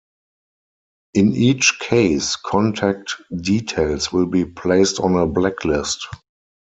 In each case, contact details will be placed on a blacklist.